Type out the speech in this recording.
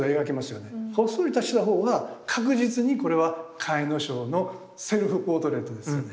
ほっそりとした方は確実にこれは甲斐荘のセルフポートレートですよね。